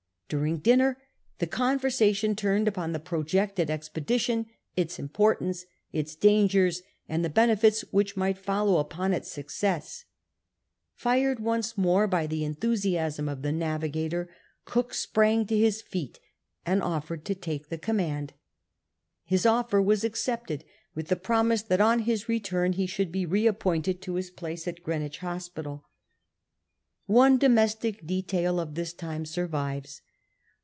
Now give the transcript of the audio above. During dinner the conversation turned upon the projected ex pedition, its importance, its dangers, and the benefits which might follow upon its success. Fired once more by the enthusiasm of the liavigator, Cook sprang to his feet and otfered to take the command. His offer was accepted, with the ])romiso that on liis return he should be reappointed to his place at Greenwich Hospital. One domestic detail of this time survives.